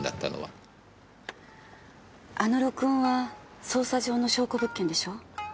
あの録音は捜査上の証拠物件でしょ？